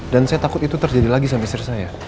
dan saya takut itu terjadi lagi sama istri saya